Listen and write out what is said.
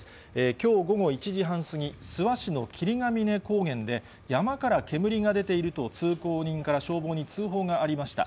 きょう午後１時半過ぎ、諏訪市の霧ヶ峰高原で、山から煙が出ていると、通行人から消防に通報がありました。